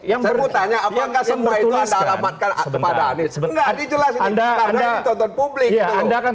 apakah semua itu anda alamatkan kepada anies